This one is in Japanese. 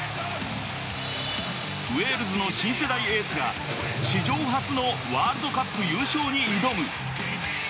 ウェールズの新世代エースが史上初のワールドカップ優勝に挑む。